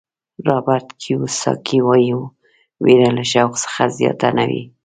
رابرټ کیوساکي وایي وېره له شوق څخه زیاته نه وي.